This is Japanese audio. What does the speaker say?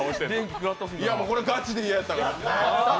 これ、ガチで嫌やったから。